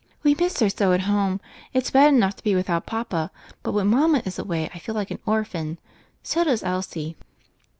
"We miss her so at home. It's bad enough to be without papa, but when mama is away I feel like an orphan. So does Elsie."